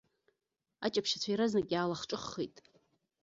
Аҷаԥшьацәа иаразнак иаалахҿыххеит.